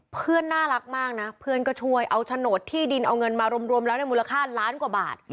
น่ารักมากนะเพื่อนก็ช่วยเอาโฉนดที่ดินเอาเงินมารวมแล้วในมูลค่าล้านกว่าบาท